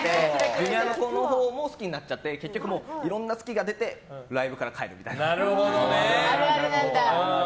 Ｊｒ．の子のほうも好きになっちゃって結局、いろんな好きが出てライブから帰るみたいな。